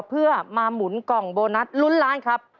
เพื่อมาหมุนกล่องโบนัสลุ้นล้านครับ